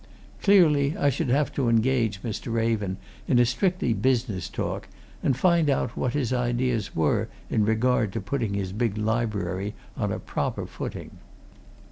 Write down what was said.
Clearly, I should have to engage Mr. Raven in a strictly business talk, and find out what his ideas were in regard to putting his big library on a proper footing.